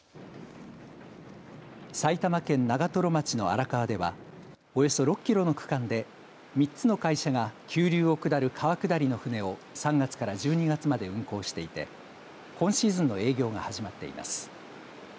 埼玉県長瀞町の荒川ではおよそ６キロの区間で３つの会社が急流を下る川下りの舟を３月から１２月まで運行していて今シーズンの営業が始まっています。